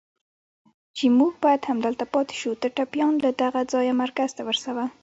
چې موږ باید همدلته پاتې شو، ته ټپيان له دغه ځایه مرکز ته ورسوه.